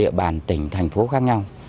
địa bàn tỉnh thành phố khác nhau